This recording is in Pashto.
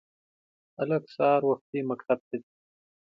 هلک سهار وختي مکتب ته ځي